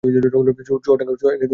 চুয়াডাঙ্গা ক্রীড়া সংস্থা